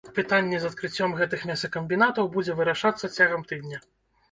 Пытанне з адкрыццём гэтых мясакамбінатаў будзе вырашацца цягам тыдня.